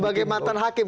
sebagai mantan hakim